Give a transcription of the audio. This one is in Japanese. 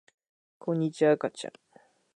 こんにちは、あかちゃん